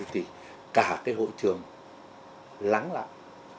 thì cả cái hội trường lắng lặng